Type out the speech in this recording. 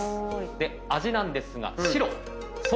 で味なんですが。